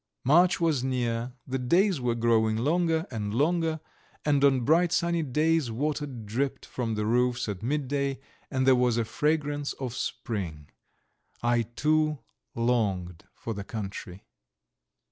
March was near, the days were growing longer and longer, and on bright sunny days water dripped from the roofs at midday, and there was a fragrance of spring; I, too, longed for the country.